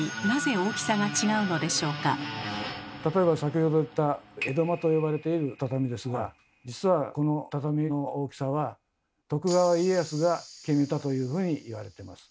例えば先ほど言った江戸間と呼ばれている畳ですが徳川家康が決めたというふうにいわれてます。